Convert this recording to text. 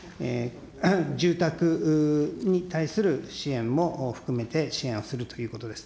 住宅に対する支援も含めて支援をするということです。